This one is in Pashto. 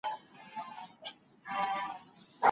د ږدن په پټي کي له ډاره اتڼ ړنګ نه سو.